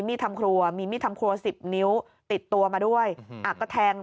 ทำครัวมีมีดทำครัวสิบนิ้วติดตัวมาด้วยอ่ะก็แทง